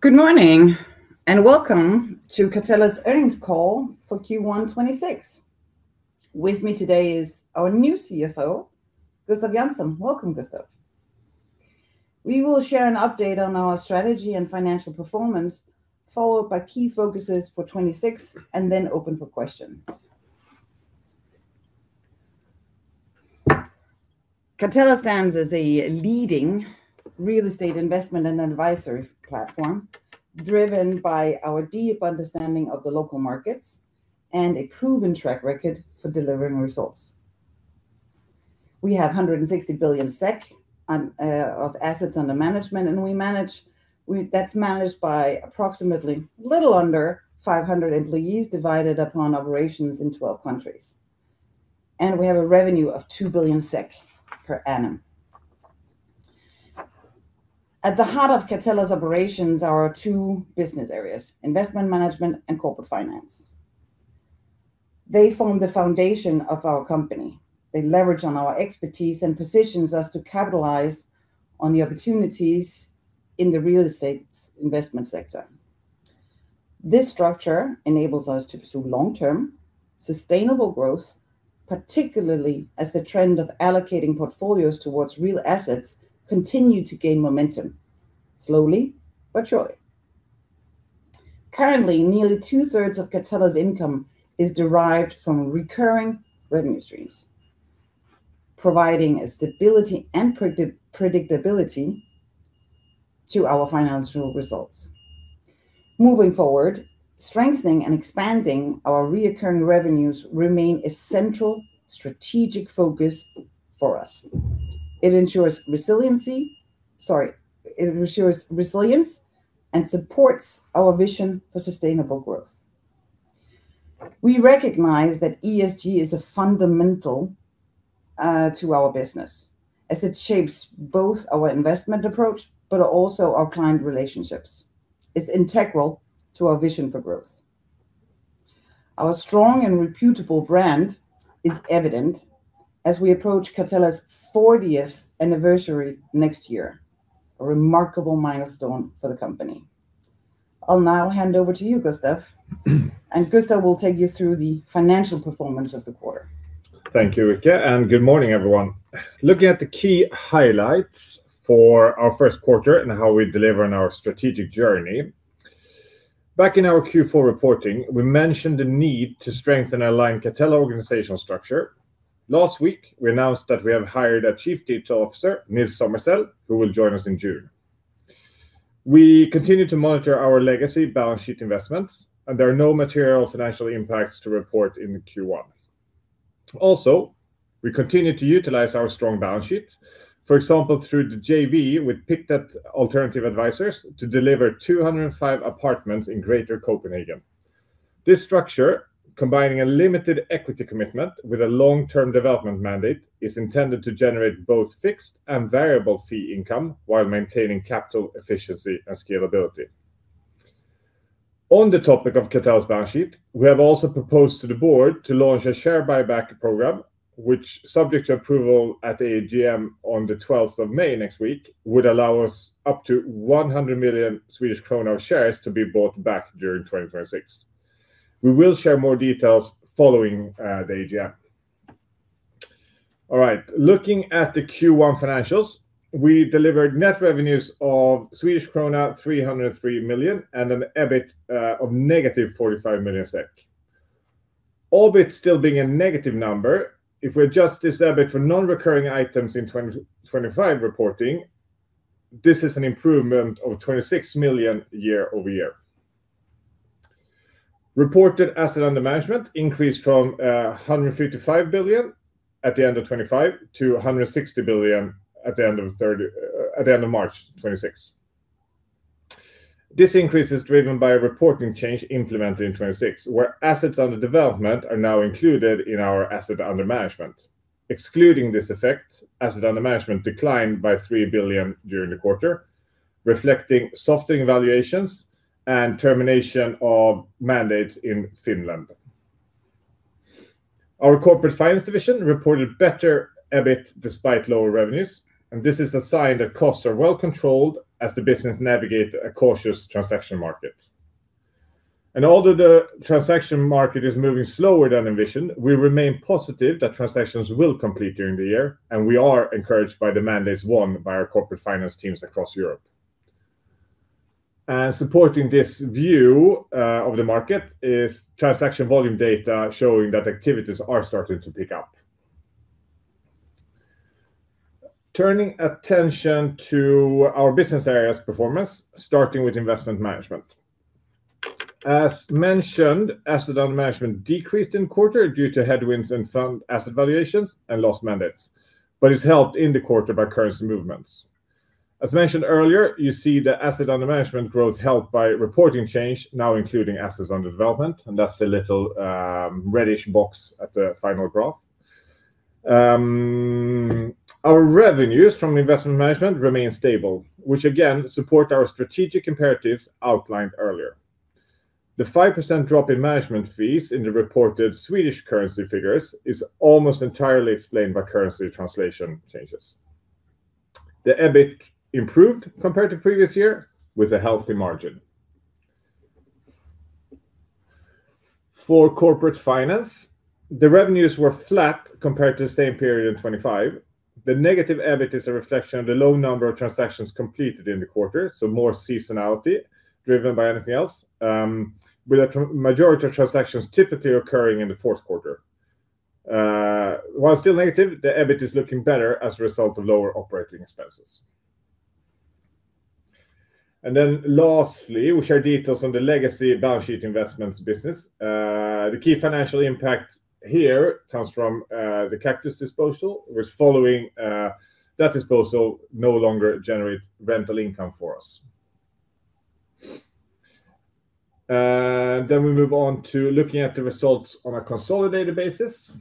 Good morning, welcome to Catella's earnings call for Q1 2026. With me today is our new CFO, Gustav Jansson. Welcome, Gustav. We will share an update on our strategy and financial performance, followed by key focuses for 2026, open for questions. Catella stands as a leading real estate investment and advisory platform, driven by our deep understanding of the local markets and a proven track record for delivering results. We have 160 billion SEK of assets under management, That's managed by approximately a little under 500 employees, divided upon operations in 12 countries, a revenue of 2 billion per annum. At the heart of Catella's operations are our two business areas: Investment Management and Corporate Finance. They form the foundation of our company. They leverage on our expertise and positions us to capitalize on the opportunities in the real estate investment sector. This structure enables us to pursue long-term sustainable growth, particularly as the trend of allocating portfolios towards real assets continue to gain momentum slowly but surely. Currently, nearly two-thirds of Catella's income is derived from recurring revenue streams, providing a stability and predictability to our financial results. Moving forward, strengthening and expanding our recurring revenues remain a central strategic focus for us. It ensures resilience and supports our vision for sustainable growth. We recognize that ESG is a fundamental to our business, as it shapes both our investment approach, but also our client relationships. It's integral to our vision for growth. Our strong and reputable brand is evident as we approach Catella's 40th anniversary next year, a remarkable milestone for the company. I'll now hand over to you, Gustav, and Gustav will take you through the financial performance of the quarter. Thank you, Ulrika, and good morning, everyone. Looking at the key highlights for our first quarter and how we deliver on our strategic journey, back in our Q4 reporting, we mentioned the need to strengthen and align Catella organizational structure. Last week, we announced that we have hired a Chief Digital Officer, Nils Sommersel, who will join us in June. We continue to monitor our legacy balance sheet investments, and there are no material financial impacts to report in Q1. We continue to utilize our strong balance sheet, for example, through the JV with Pictet Alternative Advisors to deliver 205 apartments in Greater Copenhagen. This structure, combining a limited equity commitment with a long-term development mandate, is intended to generate both fixed and variable fee income while maintaining capital efficiency and scalability. On the topic of Catella's balance sheet, we have also proposed to the board to launch a share buyback program which, subject to approval at the AGM on the 12th of May next week, would allow us up to 100 million Swedish krona of shares to be bought back during 2026. We will share more details following the AGM. All right. Looking at the Q1 financials, we delivered net revenues of Swedish krona 303 million and an EBIT of -45 million SEK. EBIT still being a negative number, if we adjust this EBIT for non-recurring items in 2025 reporting, this is an improvement of 26 million year-over-year. Reported asset under management increased from 155 billion at the end of 2025 to 160 billion at the end of March 2026. This increase is driven by a reporting change implemented in 2026, where assets under development are now included in our asset under management. Excluding this effect, asset under management declined by 3 billion during the quarter, reflecting softening valuations and termination of mandates in Finland. Our Corporate Finance division reported better EBIT despite lower revenues, this is a sign that costs are well controlled as the business navigate a cautious transaction market. Although the transaction market is moving slower than envisioned, we remain positive that transactions will complete during the year, and we are encouraged by the mandates won by our Corporate Finance teams across Europe. Supporting this view of the market is transaction volume data showing that activities are starting to pick up. Turning attention to our business areas' performance, starting with Investment Management. As mentioned, asset under management decreased in quarter due to headwinds in fund asset valuations and lost mandates, but it's helped in the quarter by currency movements. As mentioned earlier, you see the asset under management growth helped by reporting change, now including assets under development, and that's the little reddish box at the final graph. Our revenues from investment management remain stable, which again support our strategic imperatives outlined earlier. The 5% drop in management fees in the reported Swedish currency figures is almost entirely explained by currency translation changes. The EBIT improved compared to previous year with a healthy margin. For corporate finance, the revenues were flat compared to the same period in 2025. The negative EBIT is a reflection of the low number of transactions completed in the quarter, so more seasonality driven by anything else, with a majority of transactions typically occurring in the fourth quarter. While still negative, the EBIT is looking better as a result of lower operating expenses. Lastly, we share details on the legacy balance sheet investments business. The key financial impact here comes from the Kaktus disposal, which following that disposal no longer generates rental income for us. We move on to looking at the results on a consolidated basis.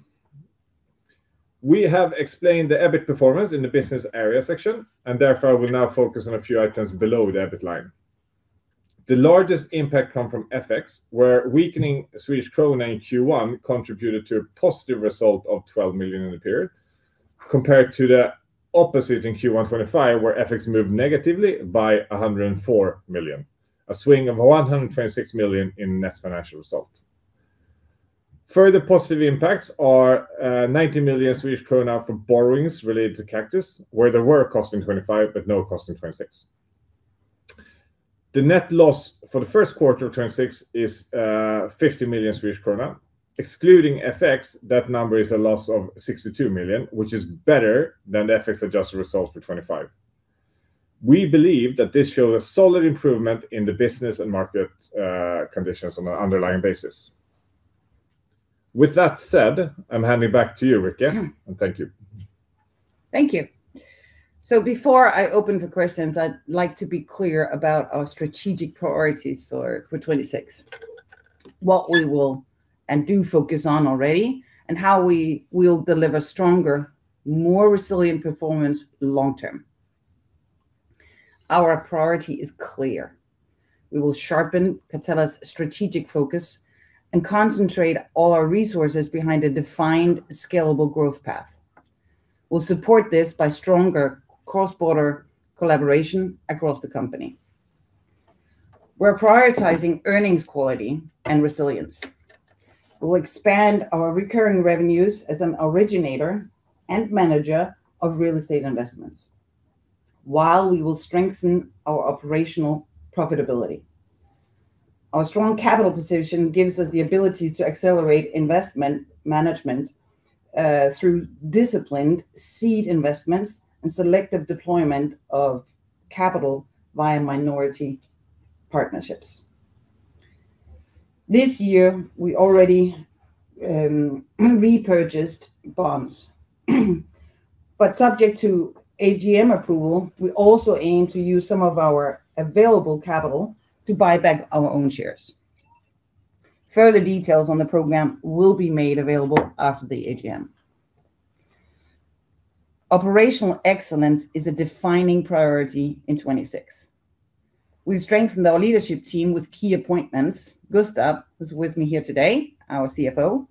We have explained the EBIT performance in the business area section, and therefore will now focus on a few items below the EBIT line. The largest impact come from FX, where weakening Swedish krona in Q1 contributed to a positive result of 12 million in the period, compared to the opposite in Q1 2025, where FX moved negatively by 104 million. A swing of 126 million in net financial result. Further positive impacts are 90 million Swedish krona from borrowings related to Kaktus, where there were a cost in 2025 but no cost in 2026. The net loss for the first quarter of 2026 is 50 million Swedish krona. Excluding FX, that number is a loss of 62 million, which is better than the FX-adjusted result for 2025. We believe that this shows a solid improvement in the business and market conditions on an underlying basis. With that said, I'm handing back to you, Rikke, thank you. Thank you. Before I open for questions, I'd like to be clear about our strategic priorities for 2026. What we will and do focus on already, and how we will deliver stronger, more resilient performance long term. Our priority is clear. We will sharpen Catella's strategic focus and concentrate all our resources behind a defined scalable growth path. We'll support this by stronger cross-border collaboration across the company. We're prioritizing earnings quality and resilience. We'll expand our recurring revenues as an originator and manager of real estate investments while we will strengthen our operational profitability. Our strong capital position gives us the ability to accelerate investment management through disciplined seed investments and selective deployment of capital via minority partnerships. This year we already repurchased bonds. Subject to AGM approval, we also aim to use some of our available capital to buy back our own shares. Further details on the program will be made available after the AGM. Operational excellence is a defining priority in 2026. We've strengthened our leadership team with key appointments. Gustav, who's with me here today, our CFO,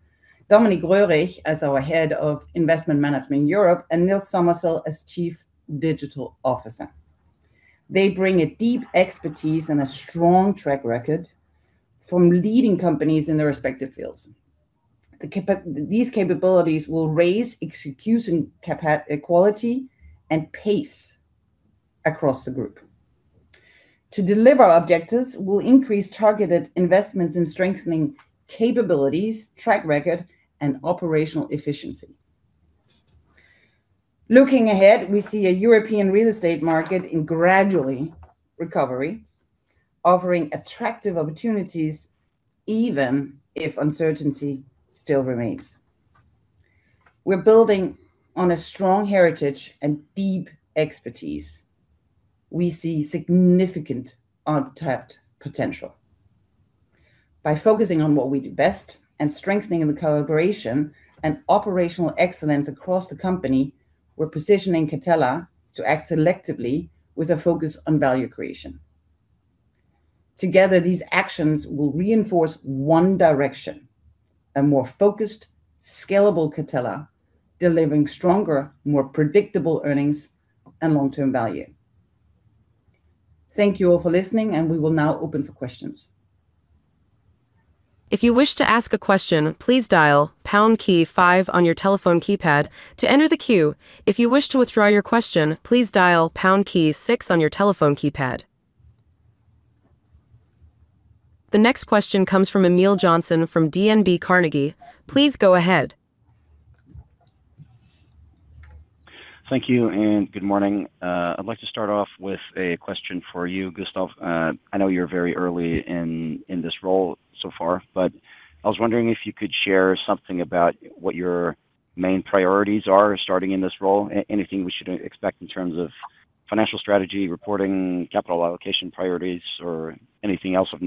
Dominik Röhrich as our Head of Investment Management in Europe, and Nils Sommersel as Chief Digital Officer. They bring a deep expertise and a strong track record from leading companies in their respective fields. These capabilities will raise execution equality and pace across the group. To deliver our objectives, we'll increase targeted investments in strengthening capabilities, track record, and operational efficiency. Looking ahead, we see a European real estate market in gradually recovery, offering attractive opportunities even if uncertainty still remains. We're building on a strong heritage and deep expertise. We see significant untapped potential. By focusing on what we do best and strengthening the collaboration and operational excellence across the company, we're positioning Catella to act selectively with a focus on value creation. Together, these actions will reinforce one direction, a more focused, scalable Catella, delivering stronger, more predictable earnings and long-term value. Thank you all for listening. We will now open for questions. The next question comes from Emil Jonsson from DNB Carnegie. Please go ahead. Thank you, and good morning. I'd like to start off with a question for you, Gustav. I know you're very early in this role so far, but I was wondering if you could share something about what your main priorities are starting in this role. Anything we should expect in terms of financial strategy, reporting, capital allocation priorities, or anything else of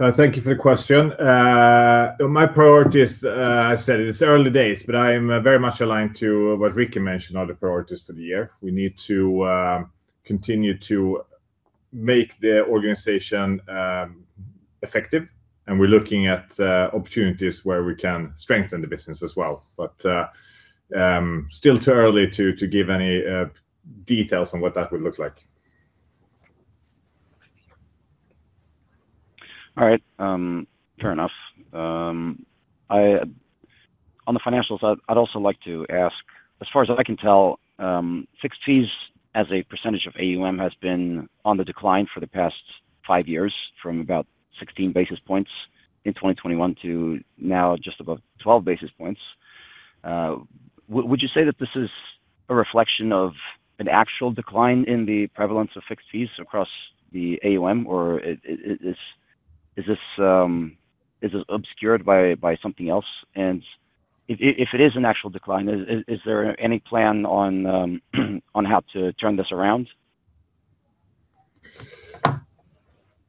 note? Thank you for the question. My priorities, I said it's early days, but I'm very much aligned to what Rikke mentioned are the priorities for the year. We need to continue to make the organization effective, and we're looking at opportunities where we can strengthen the business as well. Still too early to give any details on what that would look like. All right. Fair enough. On the financials side, I'd also like to ask, as far as I can tell, fixed fees as a percentage of AUM has been on the decline for the past five years, from about 16 basis points in 2021 to now just about 12 basis points. Would you say that this is a reflection of an actual decline in the prevalence of fixed fees across the AUM? Is this obscured by something else? If it is an actual decline, is there any plan on how to turn this around?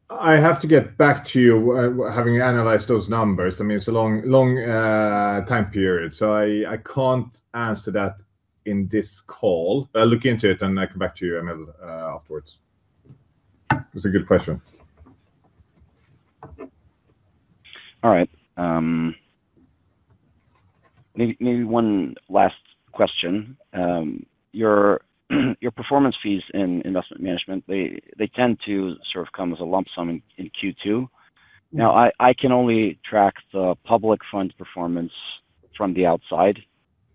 I have to get back to you, having analyzed those numbers. I mean, it's a long time period, so I can't answer that in this call. I'll look into it and I'll come back to you, Emil, afterwards. It's a good question. All right. Maybe one last question. Your performance fees in investment management, they tend to sort of come as a lump sum in Q2. Yeah. I can only track the public fund performance from the outside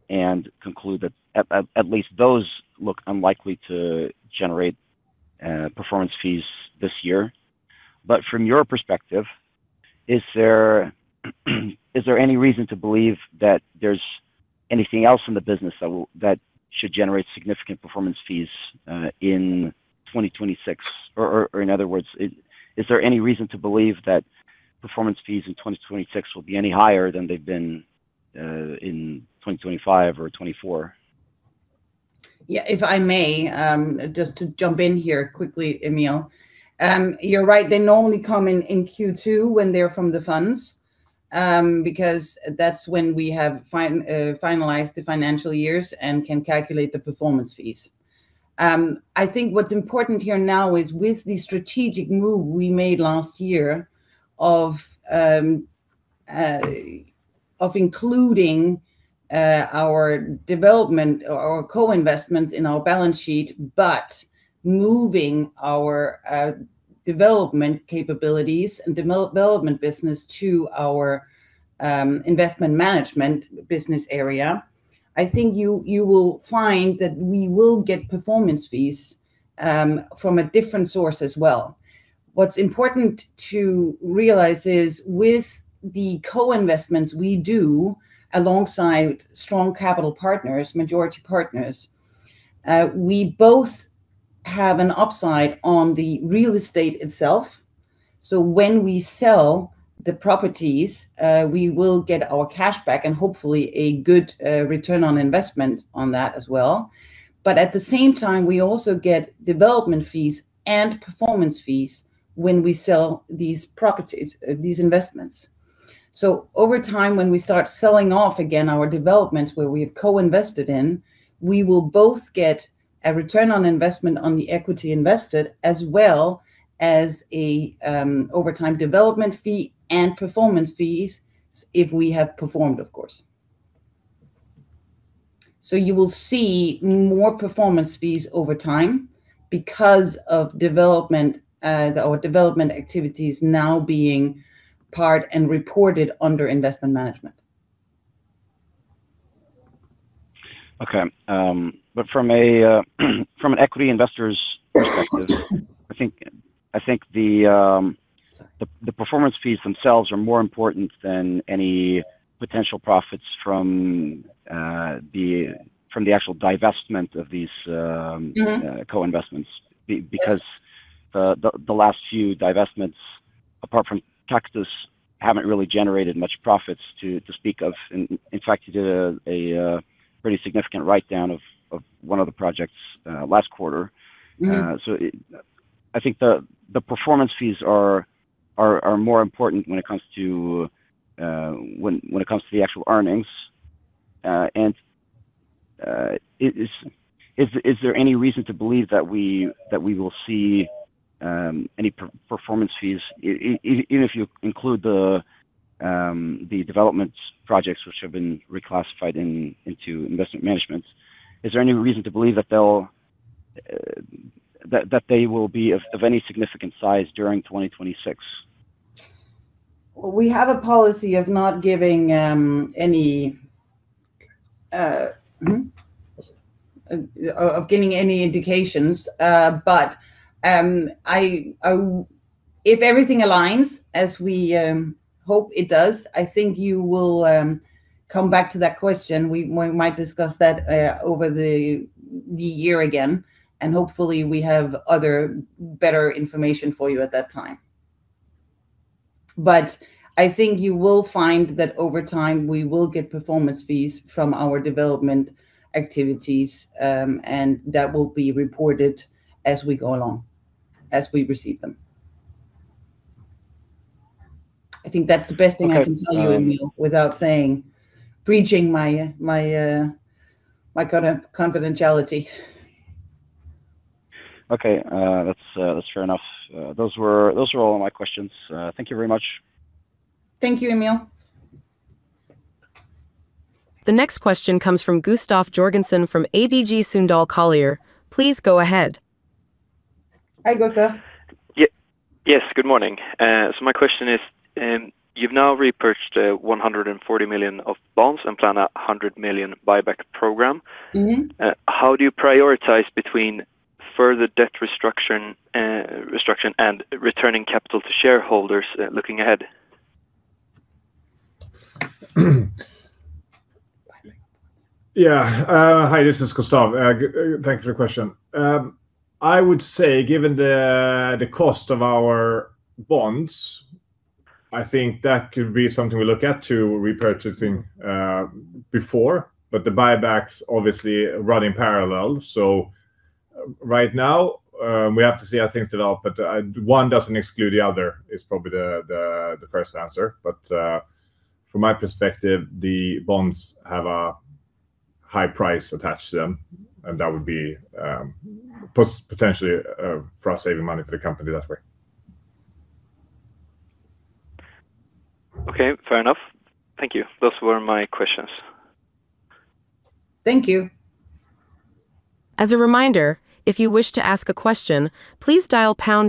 and conclude that at least those look unlikely to generate performance fees this year. From your perspective, is there any reason to believe that there's anything else in the business that should generate significant performance fees in 2026? In other words, is there any reason to believe that performance fees in 2026 will be any higher than they've been in 2025 or 2024? Yeah, if I may, just to jump in here quickly, Emil. You're right, they normally come in Q2 when they're from the funds, because that's when we have finalized the financial years and can calculate the performance fees. I think what's important here now is with the strategic move we made last year of including our development or our co-investments in our balance sheet, but moving our development capabilities and development business to our Investment Management business area, I think you will find that we will get performance fees from a different source as well. What's important to realize is with the co-investments we do alongside strong capital partners, majority partners, we both have an upside on the real estate itself. When we sell the properties, we will get our cash back and hopefully a good return on investment on that as well. At the same time, we also get development fees and performance fees when we sell these properties, these investments. Over time, when we start selling off again our developments where we have co-invested in, we will both get a return on investment on the equity invested as well as an overtime development fee and performance fees if we have performed, of course. You will see more performance fees over time because of development, or development activities now being part and reported under Investment Management. Okay. From an equity investor's perspective. Sorry The performance fees themselves are more important than any potential profits from the actual divestment of these. co-investments. Because Yes The last few divestments, apart from taxes, haven't really generated much profits to speak of. In fact, you did a pretty significant write-down of one of the projects last quarter. It I think the performance fees are more important when it comes to the actual earnings. Is there any reason to believe that we will see any performance fees even if you include the developments projects which have been reclassified in into investment management? Is there any reason to believe that they will be of any significant size during 2026? We have a policy of not giving any indications. If everything aligns as we hope it does, I think you will come back to that question. We might discuss that over the year again, hopefully we have other better information for you at that time. I think you will find that over time we will get performance fees from our development activities, that will be reported as we go along, as we receive them. I think that's the best thing I can tell you, Emil, without breaching my kind of confidentiality. Okay. That's fair enough. Those were all my questions. Thank you very much. Thank you, Emil. The next question comes from Gustav Jørgensen from ABG Sundal Collier. Please go ahead. Hi, Gustav. Yes, good morning. My question is, you've now repurchased 140 million of bonds and plan a 100 million buyback program. How do you prioritize between further debt restructure and returning capital to shareholders, looking ahead? Hi, this is Gustav. Thank you for your question. I would say given the cost of our bonds, I think that could be something we look at to repurchasing before. The buybacks obviously run in parallel, so right now, we have to see how things develop. One doesn't exclude the other is probably the first answer. From my perspective, the bonds have a high price attached to them, and that would be potentially for us saving money for the company that way. Okay, fair enough. Thank you. Those were my questions. Thank you. As a reminder, if you wish to ask a question. The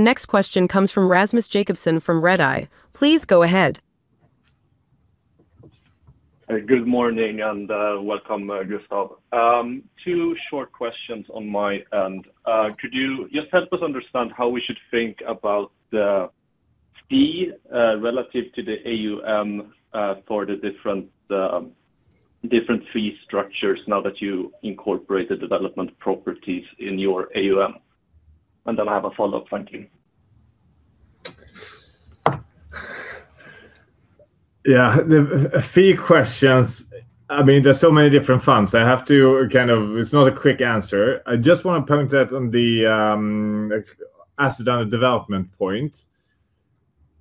next question comes from Rasmus Jacobsson from Redeye. Please go ahead. Good morning and welcome, Gustav. Two short questions on my end. Could you just help us understand how we should think about the fee relative to the AUM for the different different fee structures now that you incorporate the development properties in your AUM? Then I have a follow-up. Thank you. Yeah. The fee questions, I mean, there's so many different funds. It's not a quick answer. I just want to point out on the asset under development point,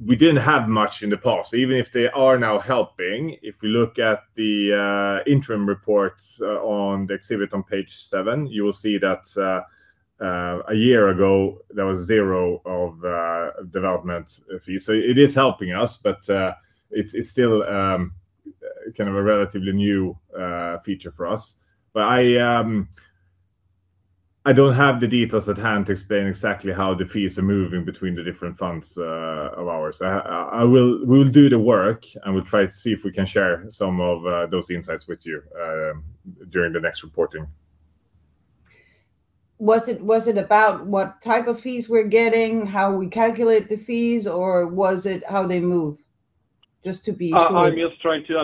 we didn't have much in the past. Even if they are now helping, if we look at the interim reports, on the exhibit on page seven, you will see that a year ago, there was 0 of development fees. It is helping us, but it's still kind of a relatively new feature for us. I don't have the details at hand to explain exactly how the fees are moving between the different funds of ours. We'll do the work, and we'll try to see if we can share some of those insights with you during the next reporting. Was it about what type of fees we're getting, how we calculate the fees, or was it how they move? Just to be sure. I'm trying to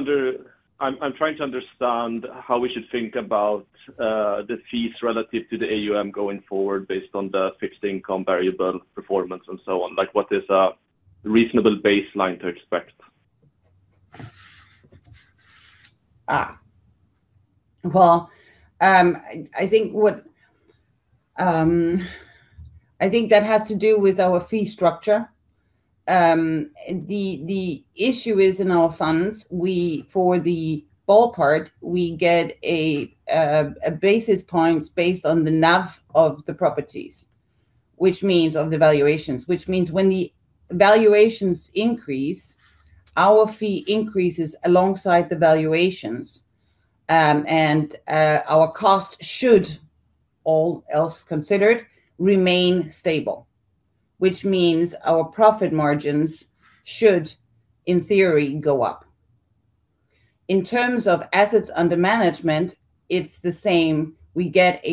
understand how we should think about the fees relative to the AUM going forward based on the fixed income variable performance and so on. Like, what is a reasonable baseline to expect? Well, I think that has to do with our fee structure. The issue is in our funds, we, for the bulk part, we get basis points based on the NAV of the properties, which means of the valuations. Which means when the valuations increase, our fee increases alongside the valuations. Our cost should, all else considered, remain stable, which means our profit margins should, in theory, go up. In terms of assets under management, it's the same. We get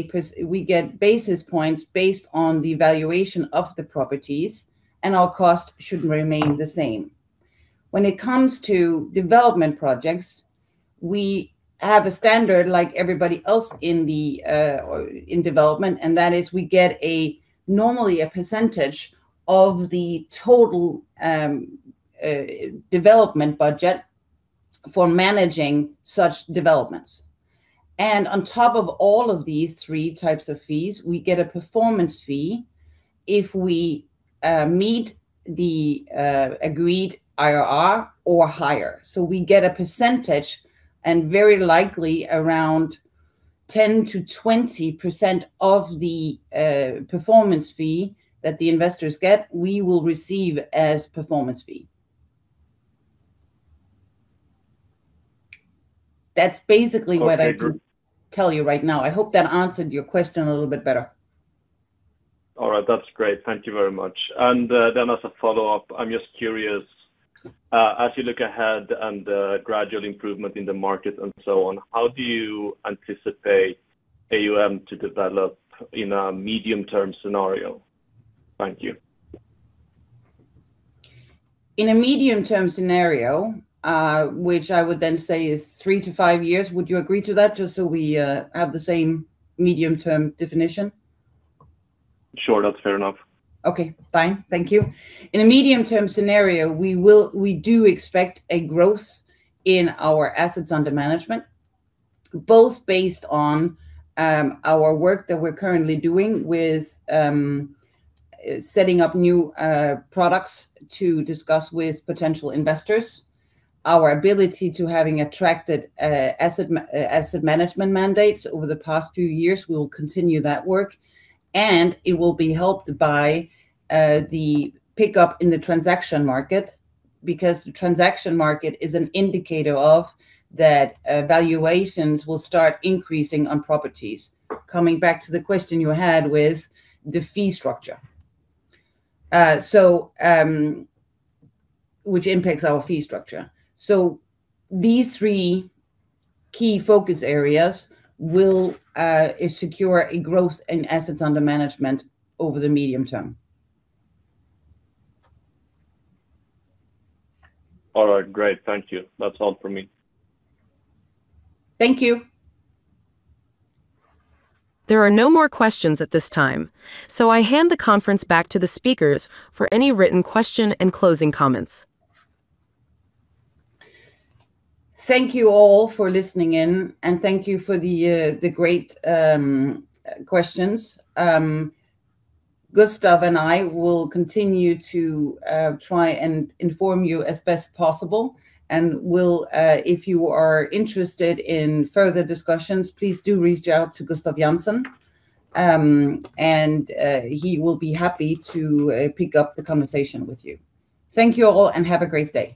basis points based on the valuation of the properties, and our cost should remain the same. When it comes to development projects, we have a standard like everybody else in the in development, and that is we get a, normally a percentage of the total development budget for managing such developments. On top of all of these three types of fees, we get a performance fee if we meet the agreed IRR or higher. We get a percentage, and very likely around 10%-20% of the performance fee that the investors get, we will receive as performance fee. Okay tell you right now. I hope that answered your question a little bit better. All right. That's great. Thank you very much. Then as a follow-up, I'm just curious, as you look ahead and, gradual improvement in the market and so on, how do you anticipate AUM to develop in a medium-term scenario? Thank you. In a medium-term scenario, which I would then say is 3-5 years, would you agree to that, just so we have the same medium-term definition? Sure, that's fair enough. Okay, fine. Thank you. In a medium-term scenario, we do expect a growth in our assets under management, both based on our work that we're currently doing with setting up new products to discuss with potential investors. Our ability to having attracted asset management mandates over the past few years, we will continue that work, and it will be helped by the pickup in the transaction market, because the transaction market is an indicator of that valuations will start increasing on properties, coming back to the question you had with the fee structure. Which impacts our fee structure. These three key focus areas will secure a growth in assets under management over the medium term. All right, great. Thank you. That's all for me. Thank you. There are no more questions at this time, so I hand the conference back to the speakers for any written question and closing comments. Thank you all for listening in, and thank you for the great questions. Gustav and I will continue to try and inform you as best possible. If you are interested in further discussions, please do reach out to Gustav Jansson, and he will be happy to pick up the conversation with you. Thank you all, and have a great day.